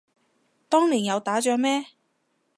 當年有打仗咩